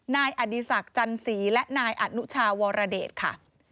นายอดีศักดิ์จันสีและนายอนุชาวรเดชค่ะ